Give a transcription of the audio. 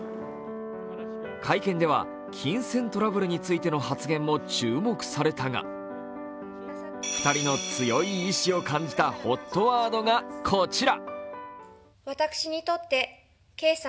会見では金銭トラブルについての発言も注目されたが２人の強い意思を感じたＨＯＴワードがこちら。